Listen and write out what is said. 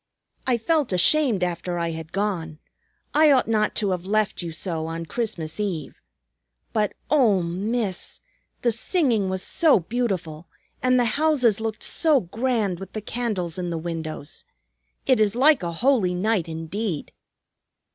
"I felt ashamed after I had gone. I ought not to have left you so, on Christmas Eve. But oh, Miss! The singing was so beautiful, and the houses looked so grand with the candles in the windows. It is like a holy night indeed!"